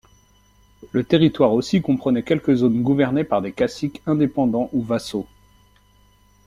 Le territoire aussi comprenait quelques zones gouvernées par des caciques indépendants ou vassaux.